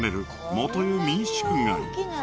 元湯民宿街